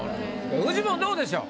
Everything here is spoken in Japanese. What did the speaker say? フジモンどうでしょう？